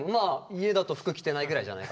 家だと服着てないぐらいじゃないかな。